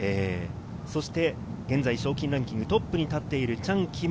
そして現在、賞金ランキングトップに立っているチャン・キム。